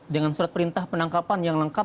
dengan surat perintah penangkapan yang lengkap